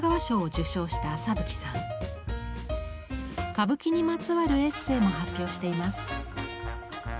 歌舞伎にまつわるエッセイも発表しています。